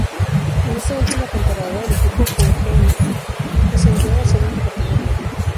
En esta última temporada el equipo jujeño descendió a la segunda categoría.